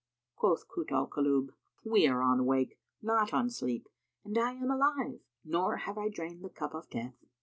Quoth Kut al Kulub, "We are on wake, not on sleep, and I am alive, nor have I drained the cup of death."